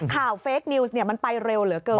เฟคนิวส์มันไปเร็วเหลือเกิน